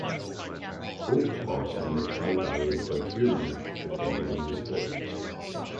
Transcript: Oak Park is in the Tri-Valley and Frontier League depending on the sport.